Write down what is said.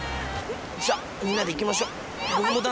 じゃあみんなで行きましょう。